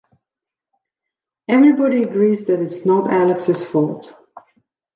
Everybody agrees that it is not Alex's fault.